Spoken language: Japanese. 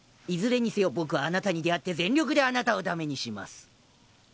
いずれにせよ僕はあなたに出会って全力であなたを駄目にします。